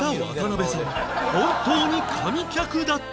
本当に神客だった